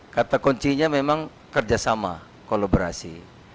kata kuncinya memang kerjasama kolaborasi